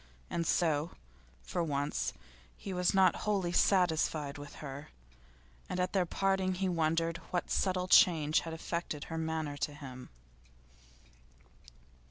And so, for once, he was not wholly satisfied with her, and at their parting he wondered what subtle change had affected her manner to him.